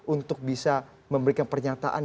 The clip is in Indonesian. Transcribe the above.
untuk bisa memberikan pernyataan